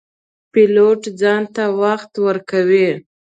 پیلوټ ځان ته وخت ورکوي.